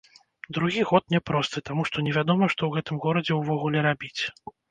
Другі год няпросты, таму што невядома, што ў гэтым горадзе ўвогуле рабіць.